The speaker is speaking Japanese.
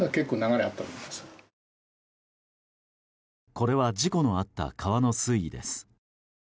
これは事故のあった川の水位です。